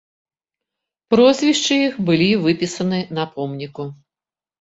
Прозвішчы іх былі выпісаны на помніку.